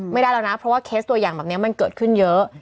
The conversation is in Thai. ไม่ได้แล้วนะเพราะว่าเคสตัวอย่างแบบนี้มันเกิดขึ้นเยอะ